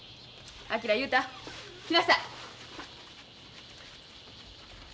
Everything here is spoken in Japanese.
昭雄太来なさい！